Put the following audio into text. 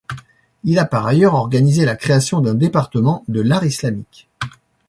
Il a par ailleurs organisé la création d’un département de l’art islamique.